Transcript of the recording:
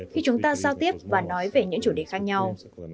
khi chúng ta giao tiếp và nói về những chủ đề khác nhau